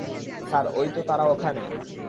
Sir, ওই তো, তারা ওখানে।